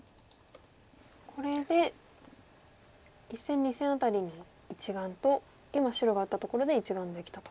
これで１線２線辺りに１眼と今白が打ったところで１眼できたと。